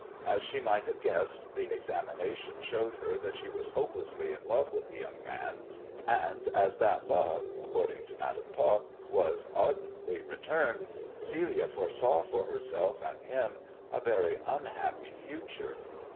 As she might have guessed, the examination showed her that she was hopelessly in love with the young man ; and as that love, according to Madam Tot, was ardently re turned, Celia foresaw for herself and him a very unhappy future.